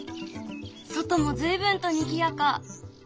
外も随分とにぎやか。